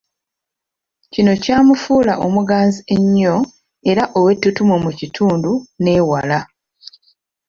Kino kyamufuula omuganzi ennyo era ow'ettutumu mu kitundu n'ewala.